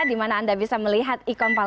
di mana anda bisa melihat